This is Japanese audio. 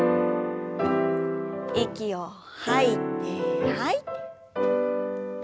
息を吐いて吐いて。